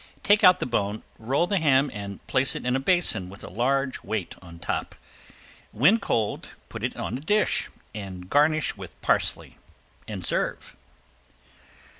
Take out the bone, roll the ham and place it in a basin with a large weight on top. When cold put it on a dish, garnish with parsley, and serve.